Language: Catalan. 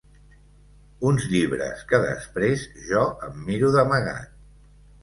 Uns llibres que després jo em miro d'amagat.